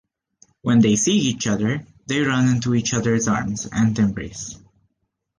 When they see each other, they run into each other's arms and embrace.